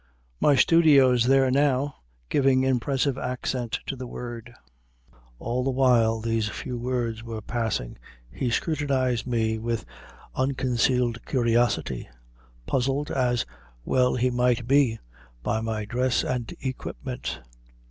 "My studio's there now;" giving impressive accent to the word. All the while these few words were passing he scrutinized me with unconcealed curiosity, puzzled, as well he might be, by my dress and equipment.